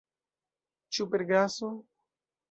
Ĉu per gaso?